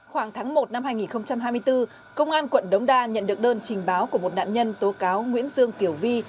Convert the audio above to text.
khoảng tháng một năm hai nghìn hai mươi bốn công an quận đống đa nhận được đơn trình báo của một nạn nhân tố cáo nguyễn dương kiều vi